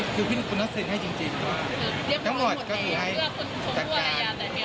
คือพี่นักเซ็นให้จริงทั้งหมดก็ถือให้จัดการ